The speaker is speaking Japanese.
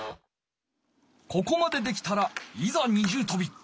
ここまでできたらいざ二重とび！